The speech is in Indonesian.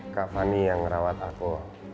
kak fanny yang ngerawat aku